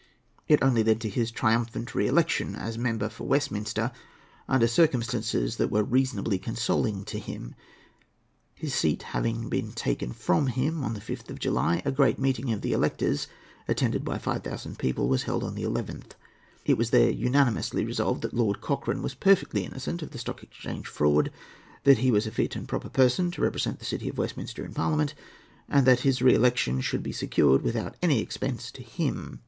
It only led to his triumphant re election as member for Westminster, under circumstances that were reasonably consoling to him. His seat having been taken from him on the 5th of July, a great meeting of the electors, attended by five thousand people, was held on the 11th. It was there unanimously resolved that Lord Cochrane was perfectly innocent of the Stock Exchange fraud, that he was a fit and proper person to represent the City of Westminster in Parliament, and that his re election should be secured without any expense to him.